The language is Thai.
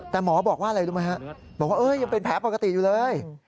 แต่หมอบอกว่าอะไรรู้ไหมฮะบอกว่ายังเป็นแผลปกติอยู่เลย